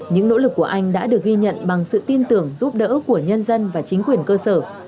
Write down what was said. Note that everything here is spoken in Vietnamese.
những nỗ lực của anh đã được ghi nhận bằng sự tin tưởng giúp đỡ của nhân dân và chính quyền cơ sở